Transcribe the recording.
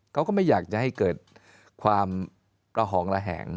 ก็ไม่อยากจะให้เกิดความระหองระแหง